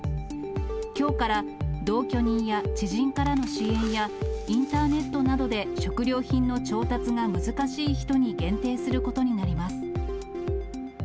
きょうから、同居人や知人からの支援や、インターネットなどで食料品の調達が難しい人に限定することになります。